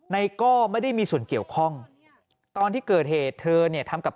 โก้ไม่ได้มีส่วนเกี่ยวข้องตอนที่เกิดเหตุเธอเนี่ยทำกับ